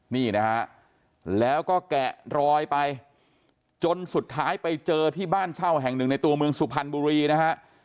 นี่นะฮะแล้วก็แกะรอยไปจนสุดท้ายไปเจอที่บ้านเช่าแห่งหนึ่งในตัวเมืองสุพรรณบุรีนะฮะ